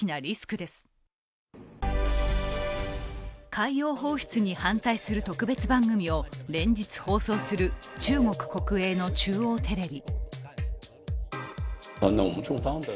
海洋放出に反対する特別番組を連日放送する中国国営の中央テレビ。